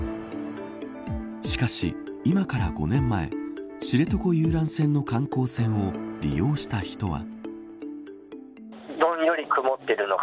しかし、今から５年前知床遊覧船の観光船を利用した人は。